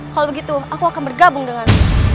kalau begitu aku akan bergabung dengan